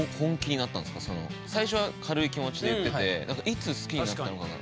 最初は軽い気持ちで言ってていつ好きになったのかな。